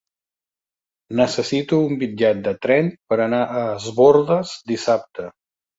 Necessito un bitllet de tren per anar a Es Bòrdes dissabte.